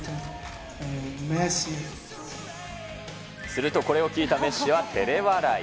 するとこれを聞いたメッシは照れ笑い。